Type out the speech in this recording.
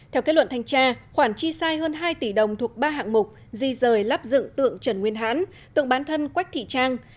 theo kết luận thanh tra khoản chi sai hơn hai tỷ đồng thuộc ba hạng mục di rời lắp dựng tượng trần nguyên hán tượng bán thân quách thị trang